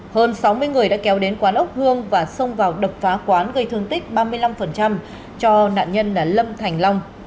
hơn sáu mươi người đã kéo đến quán ốc hương và xông vào đập phá quán gây thương tích ba mươi năm cho nạn nhân là lâm thành long